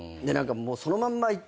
そのまんま行っちゃって。